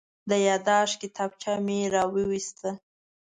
د یادښت کتابچه مې راوویسته.